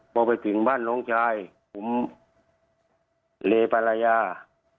ก็ไปถึงบ้านน้องชายผมเลปรายาท์